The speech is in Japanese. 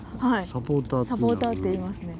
サポーターって言いますね。